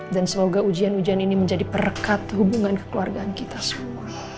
dan semoga ujian ujian ini menjadi perekat hubungan kekeluargaan kita semua